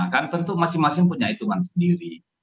kan tentu masing masing punya hitungan sendiri